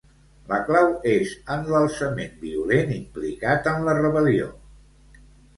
La clau és en lalçament violent implicat en la rebel·lió.